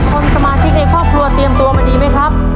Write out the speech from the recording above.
คนสมาชิกในครอบครัวเตรียมตัวมาดีไหมครับ